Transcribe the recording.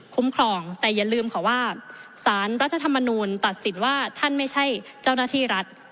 ครองแต่อย่าลืมค่ะว่าสารรัฐธรรมนูลตัดสินว่าท่านไม่ใช่เจ้าหน้าที่รัฐ